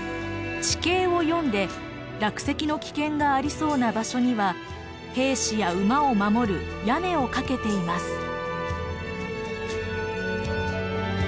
地形を読んで落石の危険がありそうな場所には兵士や馬を守る屋根をかけています。